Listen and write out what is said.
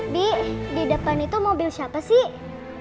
bi di depan itu mobil siapa sih